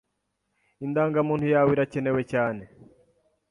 Indangamuntu yawe irakenewe cyane